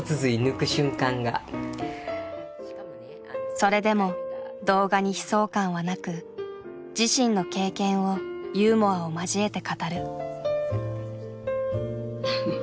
それでも動画に悲壮感はなく自身の経験をユーモアを交えて語る。